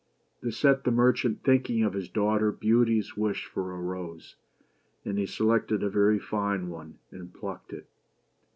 This set the merchant thinking of his daughter Beauty's wish for a rose : and he selected a very fine one and plucked it.